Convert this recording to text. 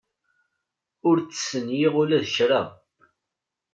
Ur ttestenyiɣ ula d kra.